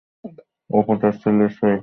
অপু তাচ্ছিল্যের সহিত ঠোঁট উলটাইয়া বলিল, কবে!